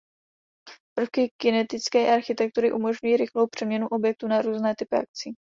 Prvky kinetické architektury umožňují rychlou přeměnu objektu na různé typy akcí.